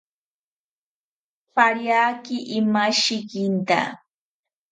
Pariaki imashikinta